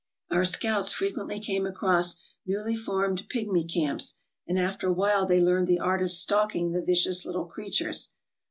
Our scouts frequently came across newly formed pigmy camps, and after awhile they learned the art of stalking the vicious little creatures.